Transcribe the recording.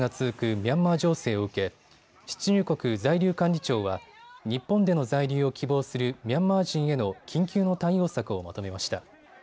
ミャンマー情勢を受け出入国在留管理庁は日本での在留を希望するミャンマー人への緊急の対応策をまとめました。